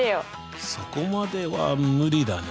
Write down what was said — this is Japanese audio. そこまでは無理だな。